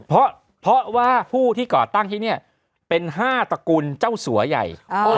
เพราะเพราะว่าผู้ที่ก่อตั้งที่เนี่ยเป็นห้าตระกุลเจ้าสัวใหญ่อ๋อ